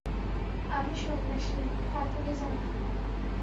আমি সন্ন্যাসী, তা তুমি জান।